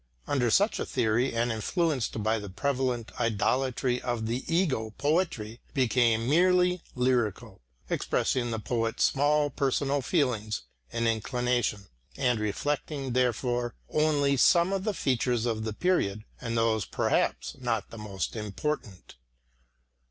Under such a theory and influenced by the prevalent idolatry of the "ego," poetry became merely lyrical, expressing the poet's small personal feelings and inclination, and reflecting therefore only some of the features of the period, and those perhaps, not the most important.